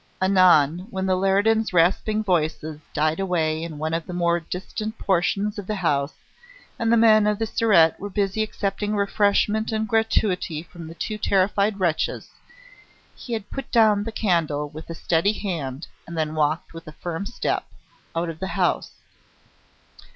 Anon, when the Leridans' rasping voices died away in one of the more distant portions of the house and the men of the Surete were busy accepting refreshment and gratuity from the two terrified wretches, he had put down the candle with a steady hand and then walked with a firm step out of the house.